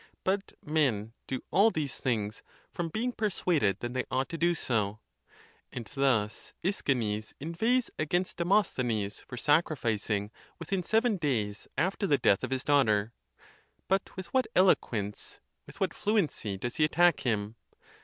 But men do all these things from being persuaded that they ought to do so. And thus A'schines inveighs against Demosthenes for sacrificing within seven days af ter the death of his daughter. But with what eloquence, with what fluency, does he attack him!.